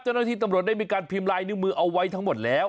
เจ้าหน้าที่ตำรวจได้มีการพิมพ์ลายนิ้วมือเอาไว้ทั้งหมดแล้ว